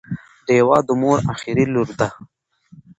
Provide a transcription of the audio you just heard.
ډیوه د مور اخري لور ده